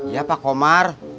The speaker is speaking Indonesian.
ya pak komar